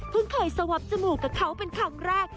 เคยสวับจมูกกับเขาเป็นครั้งแรก